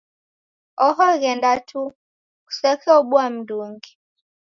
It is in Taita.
Oho ghenda tuu. Kusekeobua m'ndungi.